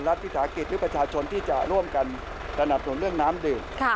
รัฐวิสาหกิจหรือประชาชนที่จะร่วมกันสนับสนุนเรื่องน้ำดื่ม